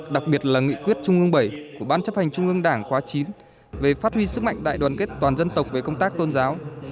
đặc biệt là nghị quyết trung ương bảy của ban chấp hành trung ương đảng khóa chín về phát huy sức mạnh đại đoàn kết toàn dân tộc về công tác tôn giáo